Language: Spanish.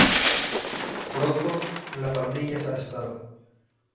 Pronto, la pandilla es arrestada.